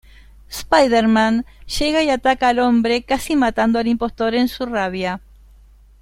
Spider-Man llega y ataca al hombre, casi matando al impostor en su rabia.